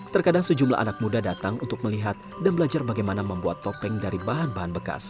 terkadang sejumlah anak muda datang untuk melihat dan belajar bagaimana membuat topeng dari bahan bahan bekas